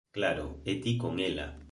Claro, e ti con ela.